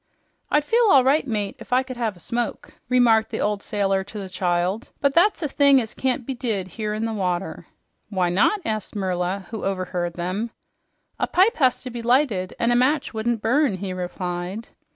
"I'd feel all right, mate, if I could have a smoke," remarked the old sailor to the child, "but that's a thing as can't be did here in the water." "Why not?" asked Merla, who overheard him. "A pipe has to be lighted, an' a match wouldn't burn," he replied.